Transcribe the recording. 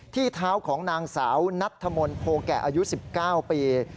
ที่เท้าของนางสาวนัทธมนต์โพแกะอายุ๑๙ปี